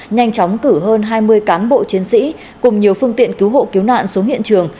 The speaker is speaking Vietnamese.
nhanh chóng cử hơn hai mươi cán bộ chiến sĩ cùng nhiều phương tiện cứu hộ cứu nạn xuống hiện trường